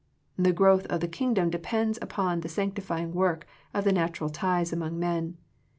The growth of the Kingdom depends on the sanctified working of the natural ties among men.